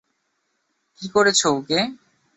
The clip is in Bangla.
কী করেছ ওকে?